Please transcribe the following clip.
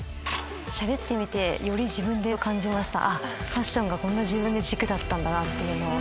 しゃべってみてより自分で感じましたファッションがこんな自分で軸だったんだなって。